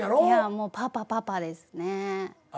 いやもうパパパパですね